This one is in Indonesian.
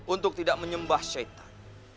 untuk tidak menyembah syaitan